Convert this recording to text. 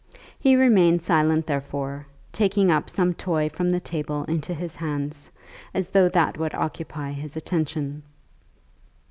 He remained silent, therefore, taking up some toy from the table into his hands, as though that would occupy his attention.